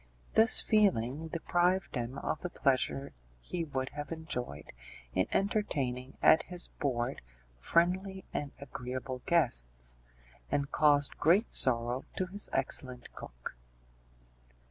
This feeling deprived him of the pleasure he would have enjoyed in entertaining at his board friendly and agreeable guests, and caused great sorrow to his excellent cook.